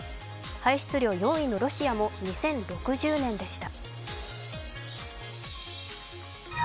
排出量４位のロシアも２０６０年でした。